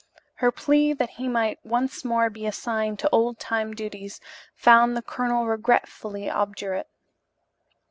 Her plea that he might once more be assigned to old time duties found the colonel regretfully obdurate.